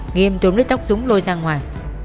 nghiêm túm lấy tóc dũng lôi ra ngoài